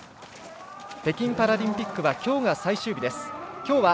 北京パラリンピックは今日が最終日。